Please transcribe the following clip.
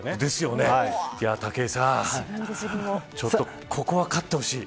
武井さん、ここは勝ってほしい。